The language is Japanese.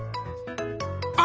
あ！